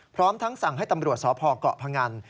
พร้อมทั้งสั่งให้ตำรวจสพเกาะพงัน